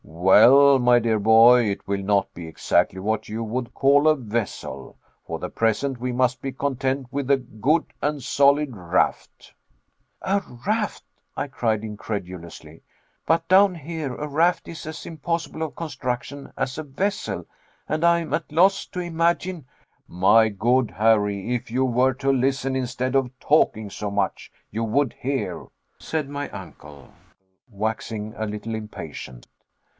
"Well, my dear boy, it will not be exactly what you would call a vessel. For the present we must be content with a good and solid raft." "A raft," I cried, incredulously, "but down here a raft is as impossible of construction as a vessel and I am at a loss to imagine " "My good Harry if you were to listen instead of talking so much, you would hear," said my uncle, waxing a little impatient.